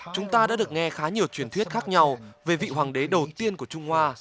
chúng ta đã được nghe khá nhiều truyền thuyết khác nhau về vị hoàng đế đầu tiên của trung hoa